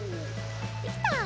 できた！